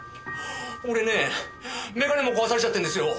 俺ねえ眼鏡も壊されちゃってるんですよ。